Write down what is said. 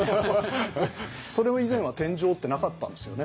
それも以前は天井ってなかったんですよね。